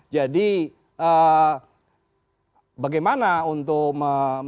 jadi bagaimana untuk melakukan klarifikasi